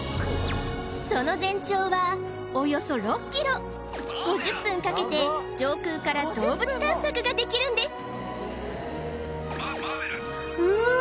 その全長はおよそ６キロ５０分かけて上空から動物探索ができるんです